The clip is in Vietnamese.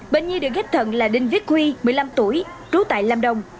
bệnh nhi được ghép thận là đinh viết huy một mươi năm tuổi trú tại lam đông